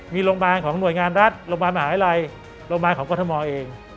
มีโรงพยาบาลของหน่วยงานรัฐโรงพยาบาลมหาวิทยาลัยโรงพยาบาลของกรทมเอง